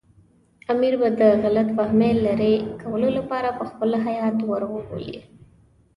امیر به د غلط فهمۍ لرې کولو لپاره پخپله هیات ور وبولي.